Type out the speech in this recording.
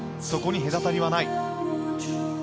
そこに隔たりはない。